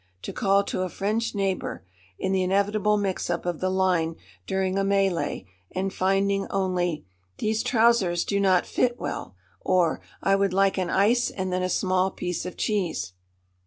to call to a French neighbour, in the inevitable mix up of the line during a mêlée, and finding only "These trousers do not fit well," or "I would like an ice and then a small piece of cheese."